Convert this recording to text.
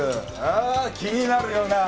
あ気になるよな。